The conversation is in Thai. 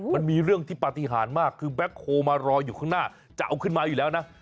มันมีเรื่องที่ปฏิหารมากคือแบ็คโฮมารออยู่ข้างหน้าจะเอาขึ้นมาอยู่แล้วนะ